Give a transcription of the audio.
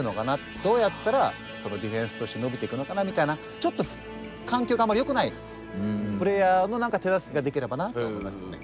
どうやったらディフェンスとして伸びていくのかなみたいなちょっと環境があんまりよくないプレーヤーの何か手助けができればなと思いますね。